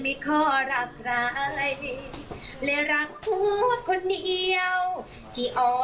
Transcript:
ที่อร่อนั่งอ่ะหยอกหยอก